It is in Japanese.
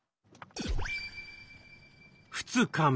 ２日目。